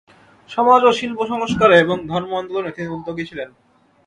সমাজ ও শিল্পসংস্কারে এবং ধর্ম-আন্দোলনে তিনি উদ্যোগী ছিলেন।